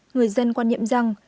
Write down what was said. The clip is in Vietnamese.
người dân quan nhiệm rằng